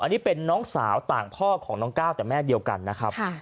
อันนี้เป็นน้องสาวต่างพ่อของน้องก้าวแต่แม่เดียวกันนะครับ